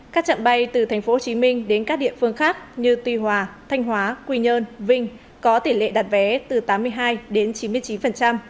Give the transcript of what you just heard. các trạng bay từ tp hcm đến các địa phương khác như tuy hòa thanh hóa quy nhơn vinh có tỷ lệ đặt vé từ tám mươi hai đến chín mươi chín